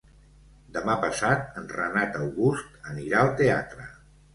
Demà passat en Renat August anirà al teatre.